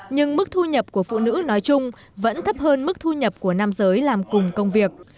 nhưng mức thu nhập của phụ nữ nói chung vẫn thấp hơn mức thu nhập của nam giới làm cùng công việc